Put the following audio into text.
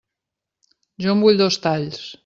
Jo en vull dos talls.